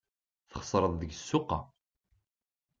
Txesreḍ deg ssuq-a.